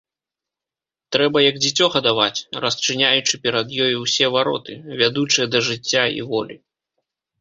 Трэба як дзіцё гадаваць, расчыняючы перад ёю ўсе вароты, вядучыя да жыцця і волі.